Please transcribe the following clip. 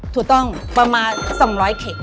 ถูกต้องค่ะประมาณ๒๐๐เคค